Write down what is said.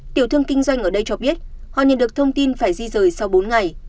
tiểu thương kinh doanh ở đây cho biết họ nhận được thông tin phải di rời sau bốn ngày